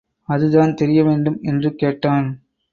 அதுதான் தெரியவேண்டும்! என்று கேட்டான்.